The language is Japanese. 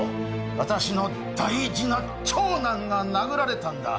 私の大事な長男が殴られたんだ。